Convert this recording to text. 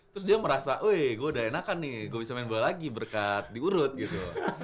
terus dia merasa weh gue udah enakan nih gue bisa main bola lagi berkat diurut gitu